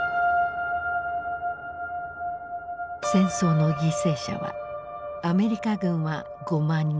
戦争の犠牲者はアメリカ軍は５万人。